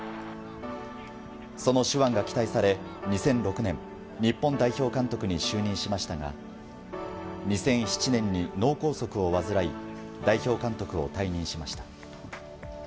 その手腕が期待され２００６年日本代表監督に就任しましたが２００７年に脳梗塞を患い代表監督を退任しました。